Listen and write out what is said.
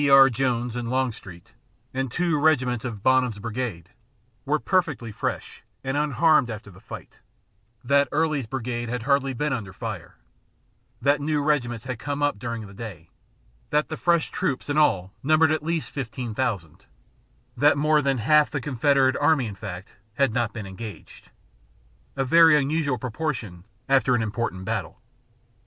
R. Jones and Longstreet, and two regiments of Bonham's brigade, were perfectly fresh and unharmed after the fight; that Early's brigade had hardly been under fire; that new regiments had come up during the day; that the fresh troops in all numbered at least fifteen thousand; that more than half the Confederate army, in fact, had not been engaged a very unusual proportion after an important battle.